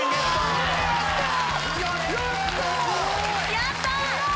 やった！